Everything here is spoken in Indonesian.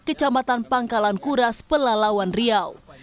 kecamatan pangkalan kuras pelalawan riau